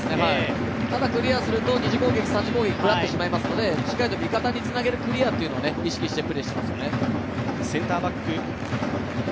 ただクリアすると２次攻撃、３次攻撃しっかりと味方につなげるクリアというのを意識してプレーしていますよね。